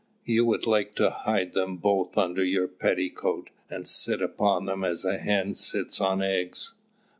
You would like to hide them both under your petticoat, and sit upon them as a hen sits on eggs.